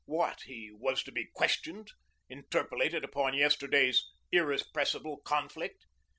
What, he was to be questioned, interpolated upon yesterday's "irrepressible conflict"?